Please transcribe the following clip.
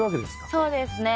そうですね。